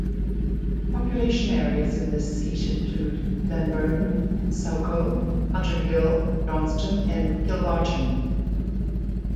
Population areas in this seat include Glenburn, Saucel and Hunterhill, Johnstone and Kilbarchan.